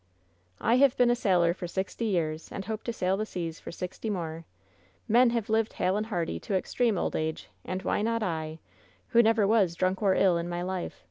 "I have been a sailor for sixty years, and hope to sail the seas for sixty more ! Men have lived hale and hearty to extreme old age, and why not I, who never was drunk or ill in my life